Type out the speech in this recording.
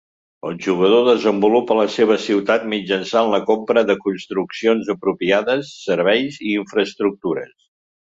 El jugador desenvolupa la seva ciutat mitjançant la compra de construccions apropiades, serveis i infraestructures.